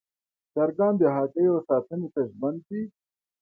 چرګان د هګیو ساتنې ته ژمن دي.